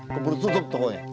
keburu tutup toko nya